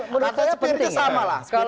menurut saya spiritnya sama lah